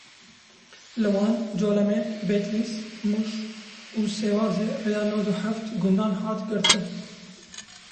Li Wan, Colemêrg, Bedlîs, Mûş û Sêwazê rêya nod û heft gundan hat girtin.